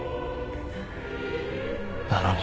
なのに。